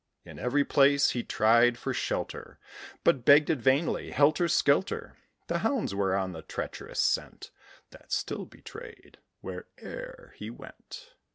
In every place he tried for shelter, But begged it vainly; helter skelter, The hounds were on the treacherous scent, That still betrayed, where'er he went.